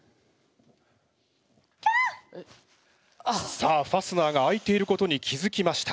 さあファスナーが開いていることに気付きました。